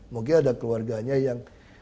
mungkin ada keluarganya yang